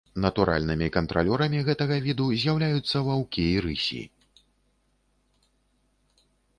Натуральнымі кантралёрамі гэтага віду з'яўляюцца ваўкі і рысі.